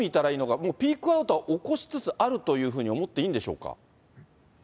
もうピークアウトは起こしつつあるというふうに思っていいんでし